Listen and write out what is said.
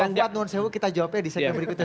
pak fad nuan sewu kita jawabnya di segian berikutnya